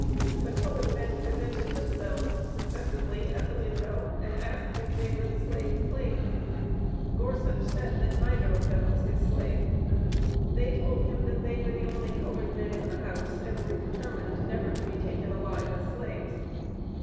The colored men presented themselves successively at the window, and asked if they were the slaves claimed; Gorsuch said, that neither of them was his slave. They told him that they were the only colored men in the house, and were determined never to be taken alive as slaves.